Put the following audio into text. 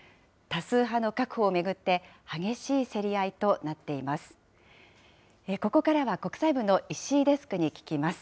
多数派の確保を巡って激しい競り合いとなっています。